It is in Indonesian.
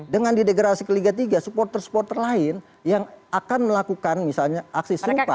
dengan didegrasi ke liga tiga supporter supporter lain yang akan melakukan misalnya aksi serupa